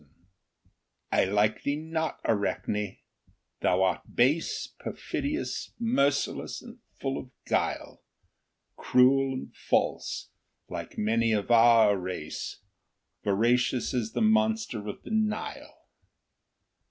]|~ LIKE thee not, Arachne; thou art base, ' Perfidious, merciless, and full of guile; Cruel and false, like nTany of our race, Voracious as the monster of the Nile.